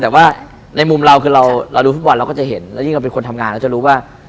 แต่ว่าในมุมเราคือเราดูฟุตบอลเราก็จะเห็นแล้วยิ่งเราเป็นคนทำงานเราจะรู้ว่า